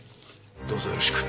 どうぞよろしく。